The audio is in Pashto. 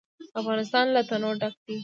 افغانستان له تنوع ډک دی.